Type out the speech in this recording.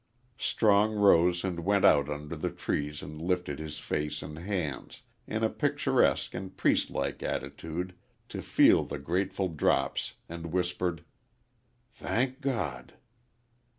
Strong rose and went out under the trees and lifted his face and hands, in a picturesque and priestlike attitude, to feel the grateful drops and whispered, "Thank God!"